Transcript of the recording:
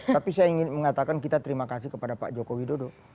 tapi saya ingin mengatakan kita terima kasih kepada pak joko widodo